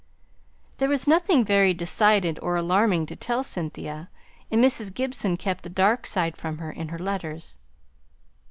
There was nothing very decided or alarming to tell Cynthia, and Mrs. Gibson kept the dark side from her in her letters.